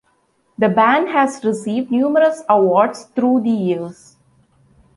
The band has received numerous awards through the years.